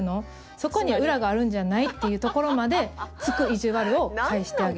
そこに裏があるんじゃない？っていうところまで突くいじわるを返してあげる。